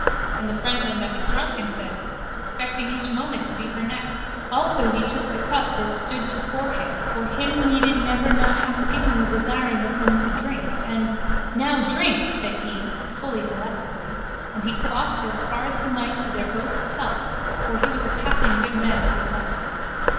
And the franklin that had drunken said, Expecting each moment to be her next. Also he took the cup that stood tofore him for him needed never none asking nor desiring of him to drink and, Now drink, said he, fully delectably, and he quaffed as far as he might to their both's health for he was a passing good man of his lustiness.